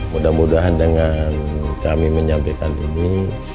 mudah mudahan dengan kami menyampaikan ini